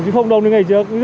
chứ không đông như ngày trước